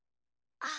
あ。